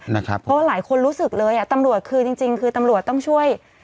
เพราะว่าหลายคนรู้สึกเลยตำรวจคือจริงคือตำรวจต้องช่วย